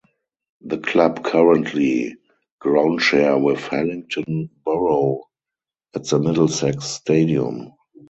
The club currently groundshare with Hillingdon Borough at the Middlesex Stadium.